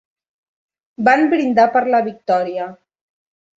Van brindar per la victòria.